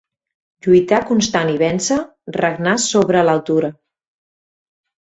Lluitar constant i vèncer, regnar sobre l'altura.